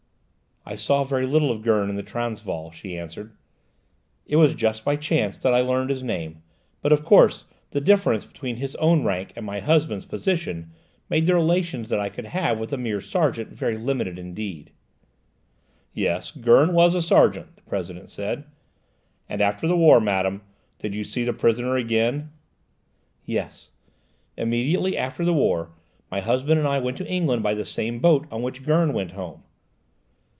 "I saw very little of Gurn in the Transvaal," she answered. "It was just by chance that I learned his name, but of course the difference between his own rank and my husband's position made the relations that I could have with a mere sergeant very limited indeed." "Yes, Gurn was a sergeant," the President said. "And after the war, madame, did you see the prisoner again?" "Yes, immediately after the war; my husband and I went to England by the same boat on which Gurn went home."